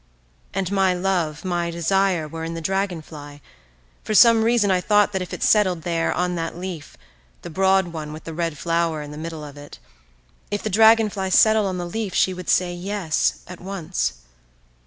And my love, my desire, were in the dragonfly; for some reason I thought that if it settled there, on that leaf, the broad one with the red flower in the middle of it, if the dragonfly settled on the leaf she would say "Yes" at once.